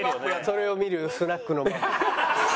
それを見るスナックのママ。